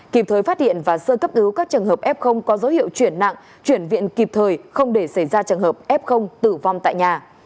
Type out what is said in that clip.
kịp thời phát hiện và sơ cấp cứu các trường hợp f có dấu hiệu chuyển nặng chuyển viện kịp thời không để xảy ra trường hợp f tử vong tại nhà